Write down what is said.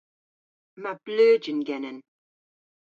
Yma bleujen genen.